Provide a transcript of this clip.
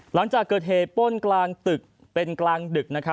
หลังจากเกิดเหตุป้นกลางตึกเป็นกลางดึกนะครับ